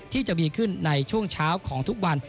ที่จะมีขึ้นในช่วงเช้าของทุกวัน